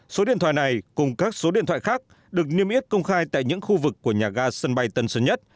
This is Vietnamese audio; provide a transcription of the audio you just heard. số điện thoại này cùng các số điện thoại khác được niêm yết công khai tại những khu vực của nhà ga sân bay tân sơn nhất